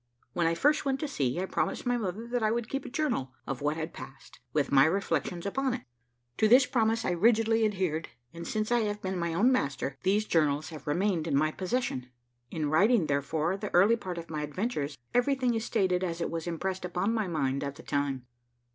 When I first went to sea, I promised my mother that I would keep a journal of what passed, with my reflections upon it. To this promise I rigidly adhered, and since I have been my own master, these journals have remained in my possession. In writing, therefore, the early part of my adventures, everything is stated as it was impressed on my mind at the time.